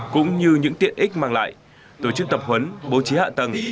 cũng như những tiện ích mang lại tổ chức tập huấn bố trí hạ tầng